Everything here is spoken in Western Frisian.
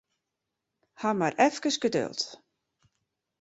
Haw mar efkes geduld.